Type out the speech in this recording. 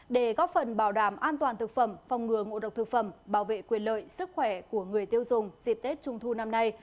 để góp phần bảo đảm an toàn thực phẩm phòng ngừa ngộ độc thực phẩm bảo vệ quyền lợi sức khỏe của người tiêu dùng dịp tết trung thu năm nay